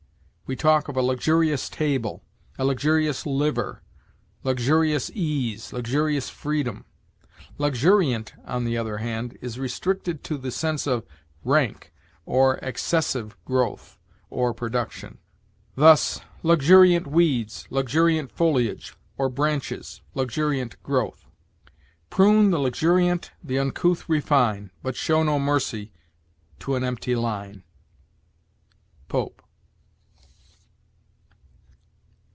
We talk of a luxurious table, a luxurious liver, luxurious ease, luxurious freedom. Luxuriant, on the other hand, is restricted to the sense of rank, or excessive, growth or production; thus, luxuriant weeds, luxuriant foliage or branches, luxuriant growth. "Prune the luxuriant, the uncouth refine, But show no mercy to an empty line." Pope.